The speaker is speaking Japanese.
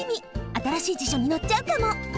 あたらしい辞書にのっちゃうかも！